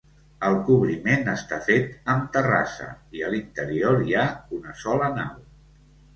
El cobriment està fet amb terrassa i a l'interior hi ha una sola nau.